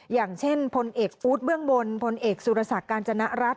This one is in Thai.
อย่างเช่นพลเอกฟู้ดเบื้องบนพลเอกสุรศักดิ์การจนรัฐ